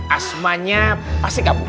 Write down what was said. asmanya pasti gak